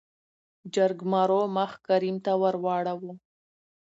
جرګمارو مخ کريم ته ورواړو .